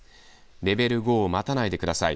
レベル５を待たないでください。